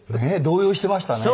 動揺していましたね。